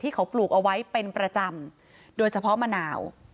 เขาปลูกเอาไว้เป็นประจำโดยเฉพาะมะนาว